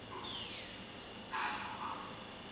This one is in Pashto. څه ډول د نورو هڅونه د هغوی رواني حالت ښه کوي؟